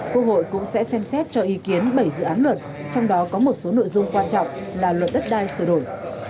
quốc hội cũng sẽ xem xét cho ý kiến bảy dự án luật trong đó có một số nội dung quan trọng là luật đất đai sửa đổi